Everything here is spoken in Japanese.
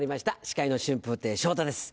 司会の春風亭昇太です